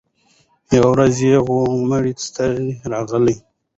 یوه ورځ یې وو مېړه ستړی راغلی